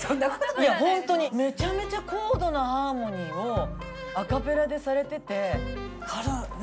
いや本当にめちゃめちゃ高度なハーモニーをアカペラでされてて。